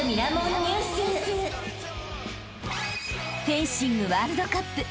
［フェンシングワールドカップ］